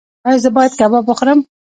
ایا زه باید کباب وخورم؟